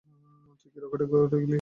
তুই কি রকেটে করে গেলি?